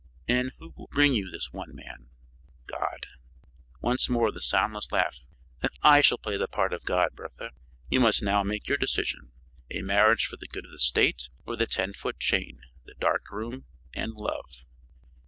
"And who will bring you this one man?" "God." Once more the soundless laugh. "Then I shall play the part of God. Bertha, you must now make your decision: a marriage for the good of the State, or the ten foot chain, the dark room and love!"